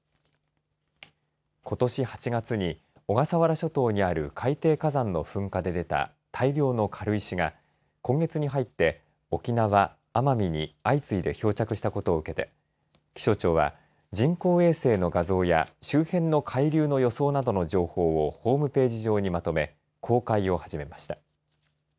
ことし８月に小笠原諸島にある海底火山の噴火で出た大量の軽石が今月に入って沖縄、奄美に相次いで漂着したことを受けて気象庁は人工衛星の画像や周辺の海流の予想などの情報をホームページ上にまとめ公開を始めました。